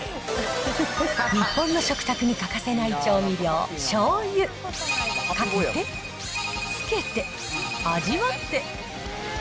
日本の食卓に欠かせない調味料、醤油。かけて、つけて、味わって。